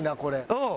うん。